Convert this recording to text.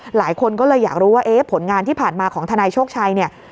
หลายคนก็เลยอยากรู้ว่าเอ๊ะผลงานที่ผ่านมาของทนายโชคชัยเนี่ย